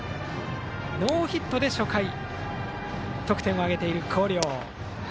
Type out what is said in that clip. ノーヒットで初回、得点を挙げている広陵。